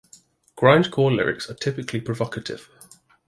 Grindcore lyrics are typically provocative.